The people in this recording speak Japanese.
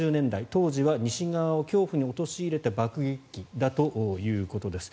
当時は西側を恐怖に陥れた爆撃機ということです。